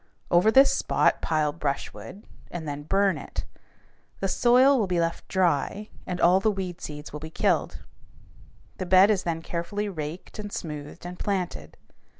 Over this spot pile brushwood and then burn it. The soil will be left dry, and all the weed seeds will be killed. The bed is then carefully raked and smoothed and planted.